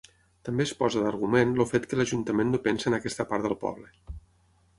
També es posa d'argument el fet que l'ajuntament no pensa en aquesta part del poble.